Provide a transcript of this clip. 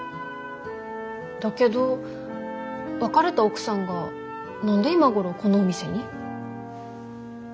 だけど別れた奥さんが何で今頃このお店に？